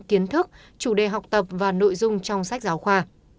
kiến thức chủ đề học tập và nội dung trong sách giáo khoa